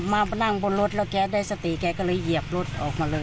มานั่งบนรถแล้วแกได้สติแกก็เลยเหยียบรถออกมาเลย